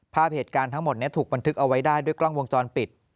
ภาพเหตุการณ์ทั้งหมดถูกบันทึกเอาไว้ได้ด้วยกล้องวงจรปิด